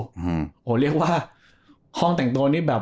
โอ้โหเรียกว่าห้องแต่งตัวนี้แบบ